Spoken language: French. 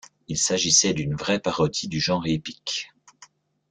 Il s'agissait d'une vraie parodie du genre épique.